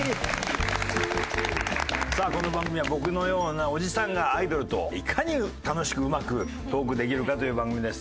さあこの番組は僕のようなおじさんがアイドルといかに楽しくうまくトークできるかという番組です。